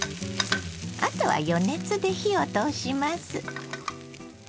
あとは余熱で火を通します。